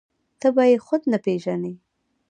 ته به يې خود نه پېژنې.